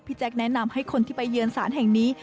แจ๊คแนะนำให้คนที่ไปเยือนสารแห่งนี้